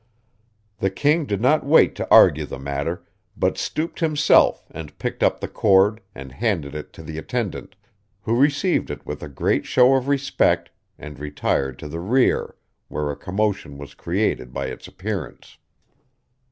The king did not wait to argue the matter, but stooped himself and picked up the cord and handed it to the attendant, who received it with a great show of respect and retired to the rear, where a commotion was created by its appearance.